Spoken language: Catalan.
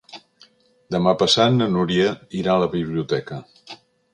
Demà passat na Núria irà a la biblioteca.